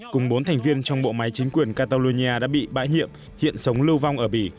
cùng bốn thành viên trong bộ máy chính quyền carlonia đã bị bãi nhiệm hiện sống lưu vong ở bỉ